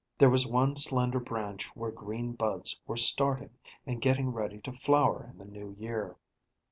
There was one slender branch where green buds were starting, and getting ready to flower in the new year.